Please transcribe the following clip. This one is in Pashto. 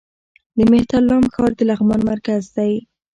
د مهترلام ښار د لغمان مرکز دی